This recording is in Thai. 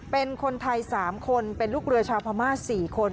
เป็นคนไทย๓คนเป็นลูกเรือชาวพม่า๔คน